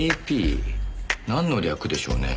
ＡＰなんの略でしょうね？